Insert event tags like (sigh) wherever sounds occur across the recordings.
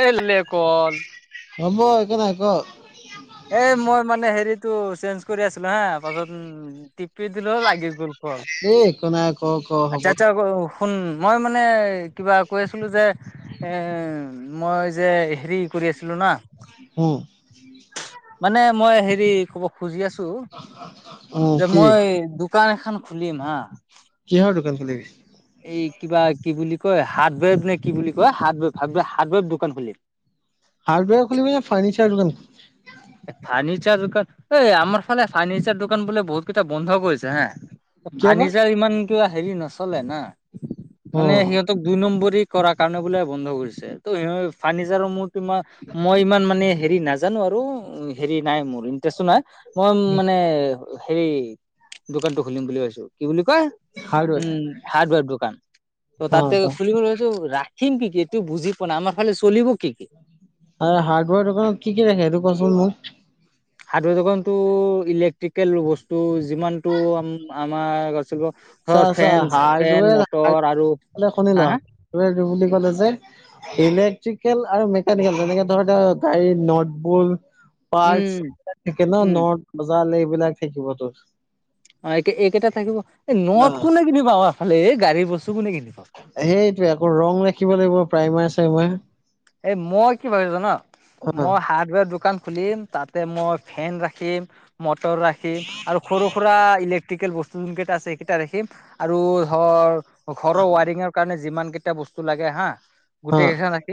এ লে কল হ'ব একো নাই কক এ মই মানে হেৰিতটো চেঞ্জ কৰি আছিলো হা তাৰ পাছত উ টিপি দিলো লাগি গ'ল কল দেই একো নাই ক ক হব ফুন মই মানে কিবা কৈ আছিলোঁ যে মই যে হেৰি আছিলো ন উম মানে মই হেৰি ক'ব খুজি আছো উম যে কি মই দুখ দোকান এখন খুলিম হা কিহৰ দোকান খোলিবি এই কিবা কি বুলি কয় হাৰ্ড বৱেৰ নে কি বুলি কয় হাৰ্ডৰ হাৰ্ডৱেৰ দোকান খুলিম হাৰ্ডেয়াৰ খুলিব ন ফাৰ্নিচাৰ দোকান ফাৰ্ণিচাৰ দোকান এই আমাৰ ফালে ফাৰ্নিচাৰ দোকান বোলে বহুতকেইটা বন্ধ কৰিছে হা কিয় বা ফাৰ্ণিচাৰ ইমান কিবা হেৰি নচলে না অ মানে সিহঁতক দুই নম্বৰী কৰা কাৰণে বোলে বন্ধ কৰিছে ত ফাৰ্ণিচাৰৰ মোৰ কিমান মই ইমান মানে হেৰি নাজানো আৰু হেৰি নাই মোৰ ইন্টাৰেষ্ট নাই মই মানে হেৰি দোকান টো খুলিম বুলি ভাবিছো কি বুলি ক হাৰ্ডৱেৰ উম হাৰ্ডাৰ দোকান ত অ ততে খুলি থিম কি কি এইটো বুজি পোৱাাই আমাৰ ফালে চলিব কি কি হাৰ্ডৱেৰ দোকানত কি কি ৰাখে সেইটো কোৱাচোন মোক হাৰ্ডৱেৰ দোকানতটো ইলেক্ট্ৰিকেল বস্তু যিমানতটো আমাৰ ধৰ চাহ চাহ ফেন ফেন হাৰৱে মটৰ আৰু হ হা হা শুনিলোৱা (unintelligible) বুলি কলে যে ইলেক্ট্ৰিকেল আৰু মেকানিকেল যেনেকে ধৰ গাড়ী নটবুল উম পাৰ্ক এইাক (unintelligible) থাকে ন উম নট বজাৰ এইবিলাক থাকিবতো অ এক এইকেইটা থাকিব এই নত কোনে কিনিবাফালে এই গাড়ী বস্তু কোনে কিনি পাওঁ সেইটো আকৌ ৰং ৰাখিব লাগিব প্ৰাইমাৰ চাইমাৰ এ মই কি ভাবিছো জানা অ মই হাৰ্ডৱেৰ দোকান সুধিম তাতে মই ফেন ৰাখিম, মটৰ ৰাখিম আৰু সৰু-সুৰা ইলেক ইলেকট্ৰিকেল বস্তু কেইটা আছে সেইকেইটা ৰাখিম আৰু ধৰ ঘৰৰ উৱাৰিংৰ কাৰনে যিমান কেইটা বস্তু লাগে হা অ গোটেই কেইখন ৰা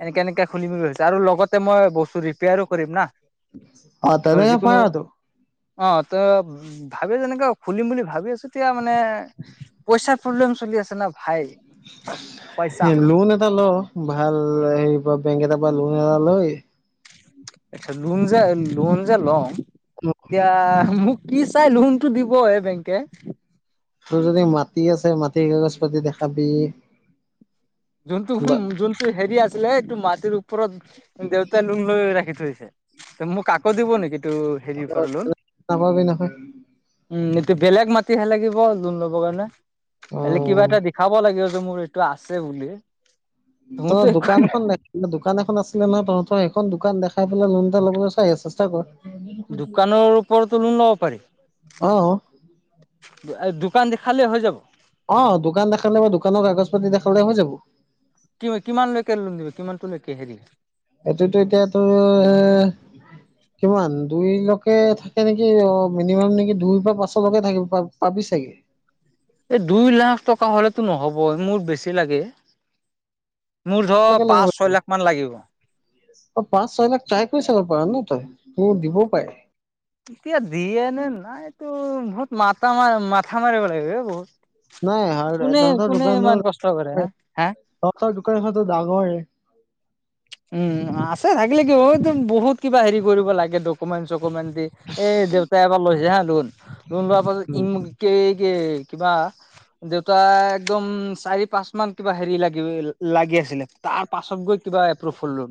এনেকে এনেকে খুলিম বুলি ভাবিছো আৰু লগতে মই বস্তু ৰিপেয়াৰো কৰিম না অ ধৰ যিকোনো (unintelligible) তো অ ত ভাবি যেনেকে খুলিম বুলি ভাবি আছো তেতিয়া মানে পইচাৰ প্ৰব্লেম চলি আছে না ভাই (inaudible) পইচা হেই লোন এটা ল, ভা ভাল হেই বা বেংক এটাৰ পৰা লোন এটা লৈ আটচা, লোন যে লোন যে লওঁ, এতিয়া মোক কি চাই লোনটো দিব হে বেংকে? তোৰ যদি মাটি আছে মাটি কাগজ পাতি দেখাবি। যোনটো, বা যোনটো হেৰি আছিলে এইটো মাটিৰ ও ঘৰত দেউতাই লোন লৈ ৰাখি থৈছে, মোক আকৌ দিব নেকি? টো হেৰি পৰা লোন। নাপাবি নহয় উম, এইটো বেলেগ মাটিহে লাগিব লোন ল'বৰ কাৰণে। অ বেলেগ কিবা এটা দেখাব লাগিব এইটো মোৰ এইটো আছে বুলি। ত মোৰতো একো নাই দোকানখন দে (inaudible) দোকান এখন আছিলে নহয় তহঁতৰ, এখন দোকান দেখাই পেলাই লোন এটা ল'বলে চাই চেষ্টা কৰ। দোকানৰ ওপৰতো লোন লব পাৰি। অ (unintelligible) দোকান দেখালে হৈ যাব। অ', দোকান দেখালে বা দোকানৰ কাগজ পাতি দেখালে হৈ যাব। কিমান-কিমানলৈকে লোন দিব, কিমানটো লৈকে হেৰি এইটোতো এতিয়া তোৰ এ কিমান দুইলৈকে থাকে নেকি অ, মিনিমাম নেকি দুই পৰা পাঁচলৈকে থাকিব পাব পাবি চাগে। এই দুই লাখ টকা হ'লেতো নহ'ব, মোৰ বেছি লাগে। মোৰ ধৰ লৈকে লব পাঁচ ছয় পাৰিবি, লাখ মান লাগিব। অ, পাঁচ, ছয় লাখ ট্ৰাই কৰি চাব পাৰা ন' তই। তোৰ দিবও পাৰে। এতিয়া দিয়ে নে নাই ত' বহুত মাতা মাথা মাৰিব লাগিব হে বহুত। (unintelligible) কোনে তহঁতৰ কোনে ইমান দোকানৰ কষ্ট কৰে হা হা তহঁতৰ দোকানখনতো ডাঙৰে। উম, আছে থাকিলে কি হ'ব একদম বহুত কিবা হেৰি কৰিব লাগে ডকুমেন্ট চব। চকুমেন্ট দি, এই দেউতাই এবাৰ লৈছে হা লোন, লোন লোৱাৰ পাছত ই মোক (unintelligible) কে কিবা দেউতা একদম, চাৰি, পাঁচ মান কিবা হেৰি লাগে লাগি আছিলে, তাৰপাছত গৈ কিবা এপ্ৰুভ হ'ল লোণ,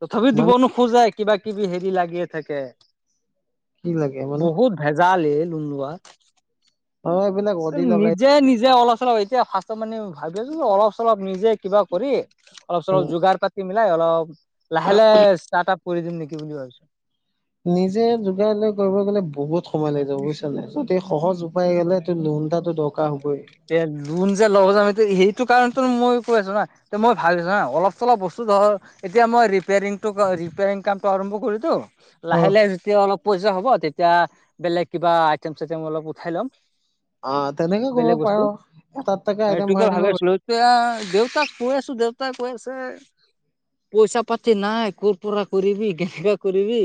তথাপি দিব মানে নোখোজে কিবা কিবি হেৰি লাগিয়ে থাকে, কি লাগে মানে বহুত ভেজাল এ। লোণ লোৱা, অ এইবিলাক অদি উম, লগাই নিজে-নিজে অলপ চলপ এতিয়া ফাৰ্ষ্টত মানে ভাবি আছোঁ অলপ চলপ নিজে কিবা কৰি, অলপ চলপ যোগাৰ পাতি মিলাই অলপ, লাহে-লাহে ষ্টাৰ্টআপ কৰি দিম নেকি বুলি ভাবিছোঁ। নিজে যোগাৰ লৈ কৰিব গ'লে বহুত সময় লাগি যাব বুজিছা নে, যদি সহজ উপায় গেলে লোণ লোণটা তোক তে, লোণ যে লওঁ (unintelligible) সেইটো কাৰণটো মই কৈ আছো না, মই ভাবিছো হা অলপ চলপ বস্তু ধৰ, এতিয়া মই ৰেপিয়াৰিং তোক ৰিপেয়াৰিং কামটো আৰম্ভ কৰি দিওঁ লাহে-লাহে যেতিয়া অলপ পইচা হ'ব, তেতিয়া বেলেগ কিবা আইটেম চাইটেম অলপ উঠাই ল'ম। অ', তেনেকে কৰিব পাৰ এটাত এটাকে আইটেম এইটোকে ভৰাই থাকিব ভাবি পাৰি আছিলো, এতিয়া দেউতাক কৈ আছো, দেউতাই কৈ আছে পইচা পাতি নাই ক'ৰ পৰা কৰিবি কেনেকা কৰিবি।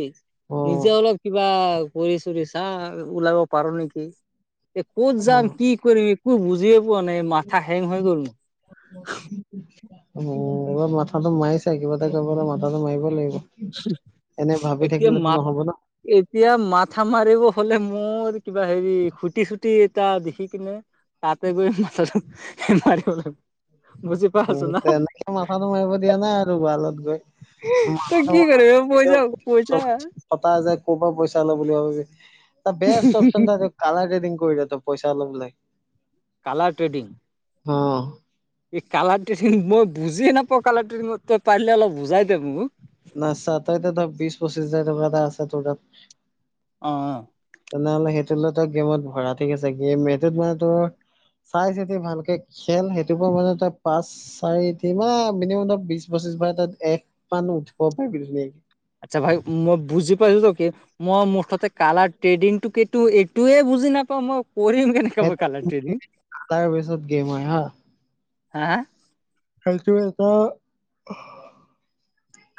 অ নিজে অলপ কিবা কৰি চুৰি চা ওলাব পাৰো নেকি। এ ক'ত অ যাম কি কৰিম একো বুজিয়ে পোৱা নাই মাথা হেং হৈ গল। উম, এবাৰ মাথাটো মাৰিছা কিবা এটা কৰিবলে মাথাটো মাৰিব লাগিব। এনে ভাবি এতিয়া থাকিলেতো মাথ, নহ'ব ন এতিয়া মাথা মাৰিব হলে মোৰ কিবা হেৰি খুটি চুটি এটা দেখি কিনে তাতে গৈ মাথা (inaudible) মাৰিব লাগ উম, তেনেকে মাথাটো মাৰিব দিয়া নাই আৰু ওৱালত গৈ। তই মানু কি কৰিবি (unintelligible) পইচা পইচা যে ক'বাত পইচা ল বুলি ভাবে যে (unintelligible) অচন কালাৰ (unintelligible) কৰি দে ত পইচা ল বোলে কালাৰ ট্ৰেডিং অ এই কালাৰ (unintelligible) মই বুজিয়ে নাপাওঁ কালাৰ (unintelligible) তই পাৰিলে অলপ বুজাই দে মোক ন চটাইত ধৰ বিশছ পঁচিছ হাজাৰ টকা এ আছে তোৰ তাত অ তেনেহলে সেইটো ত গেমত ভৰা ঠিক আছে গেম সেইটোত মানে তোৰ চাই চিতি ভালকে খেল সেইটো ব মানে তই পাঁচ চাৰিট মানে মিনিমাম ধ বিশ বছৰ তাত এক পান উঠিব পাৰিবি ধুনীয়াকে (inaudible) আচ্ছা ভাই মই বুজি পাইছো ত কি মই মোৰ ততে কালাৰ ট্ৰেডিংটোক এইটয়ে। বুজি নাপাওঁ মই কৰিম কেনেকে মই সেইটো কালাৰ ট্ৰ তাৰ পিছত গেম হা হা? খালটো আটা (inaudible)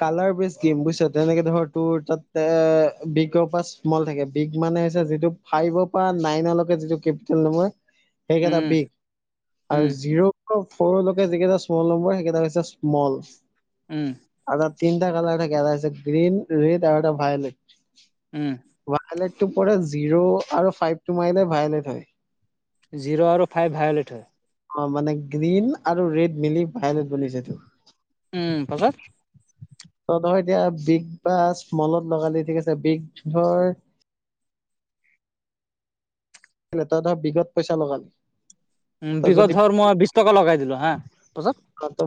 কালাৰ বেচম বুজিছ তেনেকে ধৰ তোৰ তাত এ বিগৰ পৰা স্মল থাকে বিগ মান যিটো ফাইভৰ পৰা নাইনকে যিটো কেপিটেল নয় সেইকেইটা উম বিষ উম আৰু জিৰ' সৰুলৈকে যিকেইটা স্মল নম্বৰ সেইকেইটা হৈছে স্মল। উম। তিটা কালাৰ থাকে এটা হৈছে গ্ৰীন, ৰেড আৰু এটা ভাই'লেট। উম। জ' আৰু ফাইভ মাৰ ভাই থ (inaudible) জিৰ' আৰু ফাইভ ভাইলেট হয়। অ মানে গ্ৰীণ আৰু ৰেড মিলি ভাইলেট বনিছেতো। উম, পচত অ' তহ এতিয়া বিগ বাছ মলত লগালি ঠিক আছে বিগৰ (unintelligible) নেতাদহ বিগত পইচা লগালে। উ বিগত ঘৰ মই বিশ টকা লগাই দিলো হা পাছত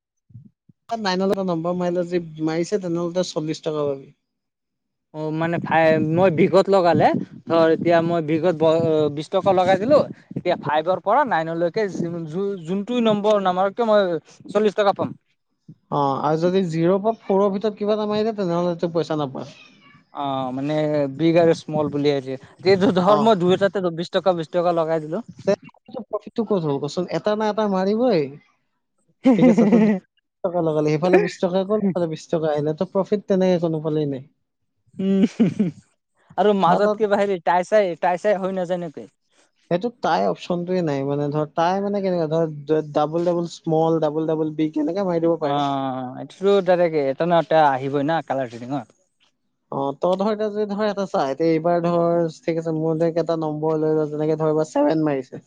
(inaudible) নাইনলটা নম্বৰ মাৰিলে যে মাৰিছে তেনেহ'লে চল্লিশ টকা পাবি অ', মানোই মই বিষত লগালে ধৰ এতিয়া মই বিষত বিশ টকা লগাই দিলো এতিয়া ফাইভৰ পৰা নাইন লৈকে যোনটো নম্বৰ নামৰক কিয় মই চল্লিশ টকা পাম। অ', আৰু যদি জিৰ' পৰা ফ'ৰৰ ভিতৰত কিবা নমাৰ দে তেনেহ'লে পইচা নাপাৱ। অ', মানে বিগ আৰু স্মল বুলিছে যিহেত ধৰ্ম দুয়টাতে কা বিছ টকা লগাই দিব টো ক'ত হ'ল কচোন এটা না এটা মাৰিবই ঠিক আছে ত বিশ টকা লগালে সিফালে বিশ টকা গ'ল সিফালে বিশ টকা আহিল তো প্ৰফিট তেনেকে কোনো ভলে ন (unintelligible) উম আৰু বা তাত মাজত কিবা হেৰি টাই চাই, টাই চাই হৈ নজনাকে সেইটো কেনেুৱা ধৰ double double small, double double big এনেকে মাৰি দিব পাৰে। অ', এইটোতো ডাইক্ এটা ন এয়া আহিবই না কালাৰ চটিঙত অ', তই ধৰ এ যদি ধ এটা চাই এতি এইবাৰ ধৰ ঠিক আছে মোৰ দে এটা নম্বৰ লৈ লোৱা যেনেকে ধ ছেভেন মাৰিছে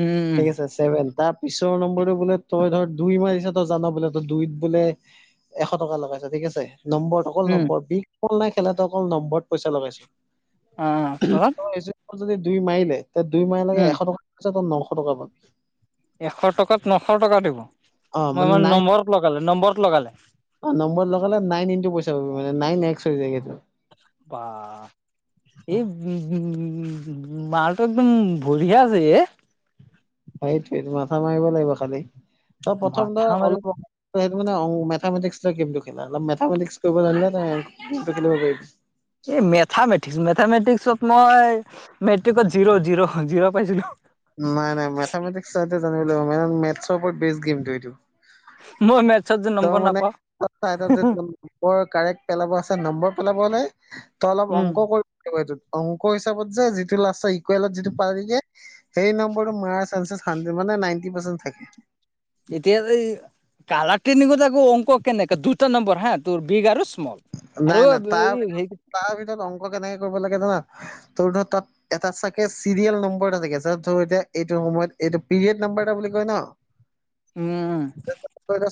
উম ঠিক আছে ছেভন তাৰ পিছৰ নম্বৰটো বোলে তই ধৰ দুই মাৰিছে তই জান বোলে তই দুইত বোলে এশ টকা লগাইছ ঠিক আছে নম্বৰ অকল উম নম্বৰ বিষ অ নাই খেলা অকল নম্বৰত পইচা লগাইছো। আহ তৰপাছত যদি দুই মাৰিলে, তে দুই মাৰিলকে এশ টকাৰ জেগাত নশ টকা পাম। এশ টকাত, নশ টকা দিব? অ মই মানে নম্বৰত লগালে নম্বৰত লগালে। নম্বৰ লগালে নাইন ইন্ত পইচা পাবি, মানে নাইন এক্স হৈ যায়হে। বা, এইবি মালটো, একদম বঢ়িয়া আছে এ। সেইটোয়েই টো মাথা মাৰিব লাগিব খালি, ত প্ৰথম ধৰ মাথা মাৰি অলপ (unintelligible) তই মানে অংক মেথামেটিক গেমটো খেলা, অলপ মেথেটিকছ কৰিব জানিলে খলিব পাৰিবি। এই মেথা মে মেথামেটিক্সত মই মেট্ৰিকত জিৰ', জিৰ', জিৰ' পাইছিলো। নাই নাই মেথামেটিক্স তই জানিব লাগিব মেথছৰ ওপৰত বেষ্ট গেমটো এইটো। মই মেথছত যে ত নম্বৰ মানে নাপাওঁ (unintelligible) কাৰেক্ট পেলাব আছে নম্বৰ পেলাব হ'লে তই অলপ উম অংক কৰিব লাগিব সেইটোত, অংক হিচাপত যে যিটো লাষ্ট ইকুৱেলত যিটো পাৰি দে সেই নম্বৰটো মাৰ চানেছ হানড্ৰেড মানে নাইনটি পাৰ্চেণ্ট থাকে। এতিয়া, এই কালা (inaudible) ট্ৰেডিংত আকৌ অংক কেনেকে দুটা নম্বৰ হা তোৰ বিগ আৰু স্মল আৰু নাই নাই তাৰ হে ভিতৰত তাৰ ভিতৰত অংক কেনেক কি কৰিব লাগে জানা, তোৰ ধৰ তাত এটা চাগে চিৰিয়েল নম্বৰ এটা থাকে, যাতে ধৰ এতিয়া এইটো সময়ত এইটো পিৰিয়ড নাম্বাৰ এটা বুলি কয় ন। উম।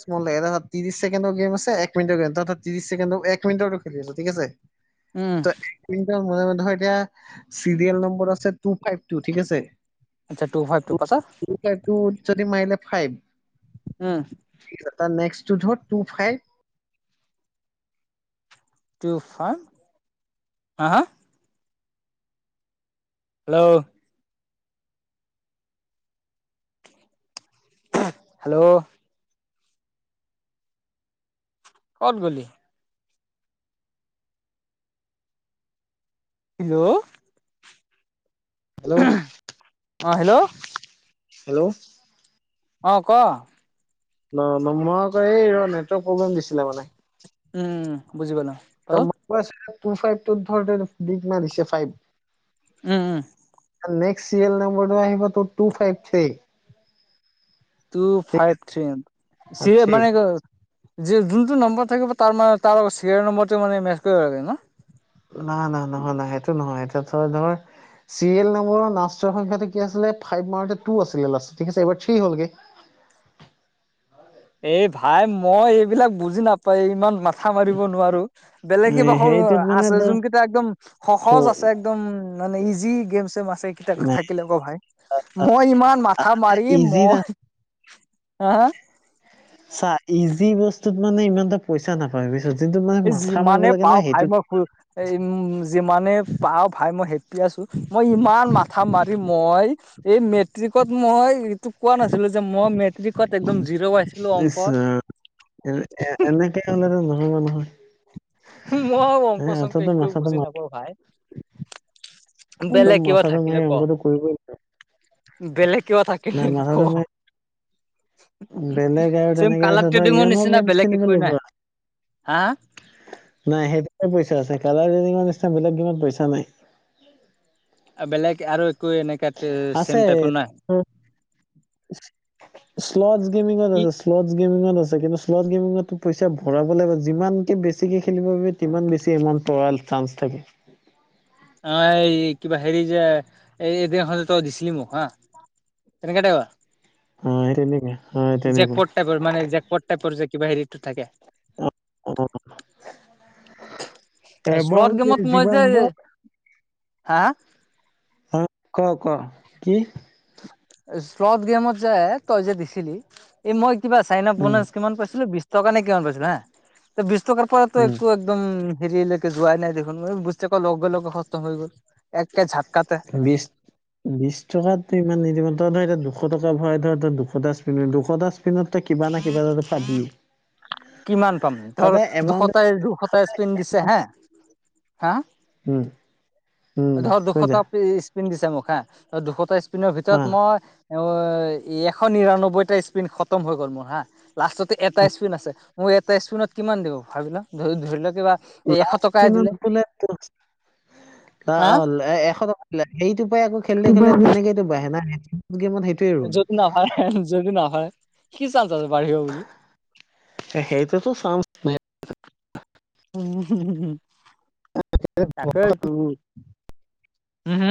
ত্ৰিশকেণ্ডৰ গেম আছে, এক মিনিটৰ্ৰ গেম, তই তাত এক মিনটৰ খেলি আছ ঠিক আছে। উম তই এক মিনিটৰ মুৰে মুৰে ধৰ এতিয়া চিৰিয়েল নম্বৰ আছে। টু ফাইভ টু, ঠিক আছে। আচ্ছা, টু ফাইভ টু পাছত টু ফাইভ (unintelligible) ফাইভ উম তাৰ নেক্সট টো ধৰ টু ফাইভ (unintelligible) হা, হা হেল্ল'। হেল্ল'। ক'ত গলি? হেল্ল' হেল্ল' অ হেল্ল' হেল্ল' অ', ক? ন-ন মই আকৌ এই ৰ' নেটৱৰ্ক প্ৰ'ব্লেম দিছিলে মানে। উম, বুজি পালো পাছত মই কৈ আছিলোঁ, টু ফাইভ টু ধৰ দিক মাৰিছে ফাইভ। উম উম। তাৰ নেক্সট চিৰিয়েল নাম্বাৰটো আহিব তোৰ two five three. Two five three, serial three মানে যোনটো নম্বৰ থাকিব তাৰে মা-তাৰ চিৰিয়েল নম্বৰটো মানে মেটচ কৰিব লাগে ন? নহয় নহয় নহয় নহয় সেইটো নহয় সেইটো তই ধৰ চিৰিয়েল নম্বৰৰ লাষ্টৰ সংখ্যাটো কি আছিলে, ফাইভ মাৰোতে টু আছিলে লাষ্টত ঠিক আছে, এইবাৰ থ্ৰী হ'লগে। এই ভাই মই এইবিলাক বুজি নাপাই ইমান মাথা মাথা মাৰিব নোৱাৰো, বেলেগ কিবা সহ সেইটোত মানে আছে যোন কিটা একদম সহজ আছে ধৰ একদম ন নাই, ইজি গেমছেম আছ সেইকেইটা থাকিলে ক ভাই, মই ইমান মাথা মাৰি ইজিত মই আছে। (unintelligible) চা, ইজি বস্তুত মানে ইমানটা পইচা নাপাবি বুজ এই যিমানে পাওঁ ভাই, মই উম যিমানে পাওঁ ভাই মই সেইটো- আছো মই ইমান মাথা মাৰি মই এই মেট্ৰিকত মই তোক কোৱা নাছিলোঁ যে মই মেট উম ইছৰাম এনে এ এনেকে হলেটো নহব নহয়। মই অংক হে চংক তইতো একোৱেই মাথাটো বুজি মাৰ নাপাওঁ ভাই একদম বেলেগ কিবা মাথাটো থাকিলে মাৰি ক অংকটো কৰিবই লাগিব। বলেক কিবা থাকে নাই নি ক। মাথাটো মাৰি বেলেগ আৰু চেম তেনেকে আছে কালাৰ ধৰ ট্ৰেডিঙৰ য়ন' নিচিনা গেমছ বেলেগ খেলিব একোৱেই লাগিব নাই হা নাই সেইটোতে পইছা আছে কালাৰ ট্ৰেডিঙৰ নিচিনা বেলেগ গেমত পইচা নাই বেলেগ আৰু একো এনেকা ছেম টাইপৰ নাই শ্লডছ গেমিঙত কি আছে শ্লডছ গেমিঙত আছে আছে কিন্তু শ্ল'ড গেমিঙতো পইচা ভৰাব লাগিব যিমানকে বেছিকে খেলিব পাবি তিমান বেছি এমাউণ্ট তৰাল চান্স থাকে। অ এই কিবা হেৰি যে এই এদিনাখন যে তই দিছিলি মোক হা তেনেকে টায়া, অ সেই তেনেকে অ তেনেকে জেকপট টাইপৰ মানে জেকপট টাইপৰ যে কিবা হেৰিটোত থাকে। উ (unintelligible) শ্লত গেমত মই য যিমান বাৰ হা? ক-ক, কি? শ্লট গেমত যে, তই যে দিছিলি। এই মই কিবা চাইনা প উম কিমান পাইছিলো টকানে কিমান পৈছো হা, ত বিছতকাৰ পৰা এইতো উম একো একদম হেৰিলৈকে যোৱাই নাই দেখোন মই বুজি আ কক লগে লগে সষ্টম হৈ গ'ল (unintelligible) ঝাটকাতে বিশ-বিশছ টকা ইমান নিদিব, তইটো এতিয়া দুশ টকা ভৰাই ধৰ দুশটা স্পীন, দুশটা স্পিনত তই কিবা ন কিবা এটাটো পাবিয়ে। কিমান পাম ধৰ এমাউণ্ট দুশটাই দুশটা স্পিন দিছে হা হা উম উম ধৰ থৈ যা দুশটা পিচ স্পিন দিছে মোক হা, ত দুশটা স্পিনৰ অ ভিতৰত মই অ এশ নিৰান্নব্বৈটা স্পিন খতম হৈ গ'ল মোৰ হা লাষ্টত এটা স্পিন আছে মোক এটা স্কুনত কিমান দিব ভাবিলা ধৰি লওক লিনত বো এশ টকা দিল স (unintelligible) (unintelligible) খেলি খেললে হা তেনেকেতো বাহে ন যদি ন হয়, যদি ন হয়। সেইটোতো (unintelligible) উম। তাকে তো